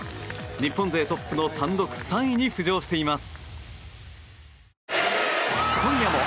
日本勢トップの単独３位に浮上しています。